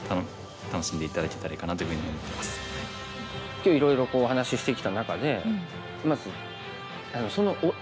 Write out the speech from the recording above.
今日いろいろお話ししてきた中でまず推し棋士。